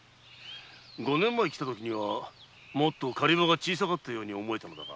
五年前来たときはもっと狩場が小さかったように思えたが。